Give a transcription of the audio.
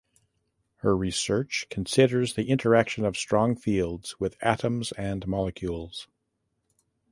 Her research considers the interaction of strong fields with atoms and molecules.